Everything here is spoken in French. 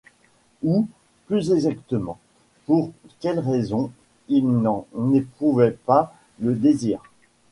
Ou, plus exactement, pour quelle raison ils n'en n'éprouvaient pas le désir.